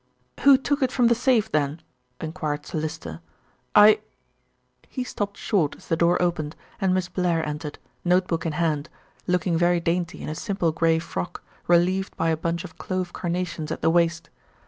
"Who took it from the safe then?" enquired Sir Lyster. "I " he stopped short as the door opened, and Miss Blair entered, notebook in hand, looking very dainty in a simple grey frock, relieved by a bunch of clove carnations at the waist.